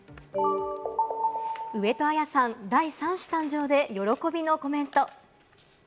上戸彩さん、第３子誕生で喜びのコメント。